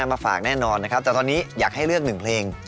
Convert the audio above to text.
มาฝากแน่นอนนะครับแต่ตอนนี้อยากให้เลือกหนึ่งเพลง